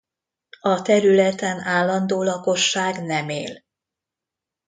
A területen állandó lakosság nem él.